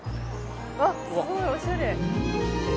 わっすごいおしゃれ。